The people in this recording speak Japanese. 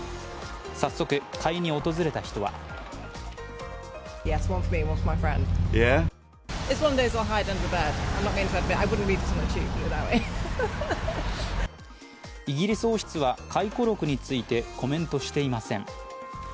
早速、買いに訪れた人はイギリス王室は回顧録についてコメントしていません。